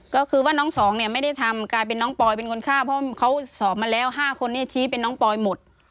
ก็คือว่าน้องสองเนี่ยไม่ได้ทำกลายเป็นน้องปอยเป็นคนฆ่าเพราะเขาสอบมาแล้ว๕คนนี้ชี้เป็นน้องปอยหมด